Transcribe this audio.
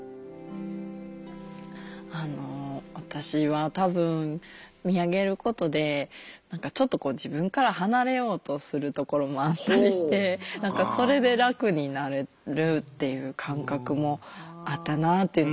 あの私は多分見上げることで何かちょっとこう自分から離れようとするところもあったりして何かそれで楽になれるっていう感覚もあったなっていう。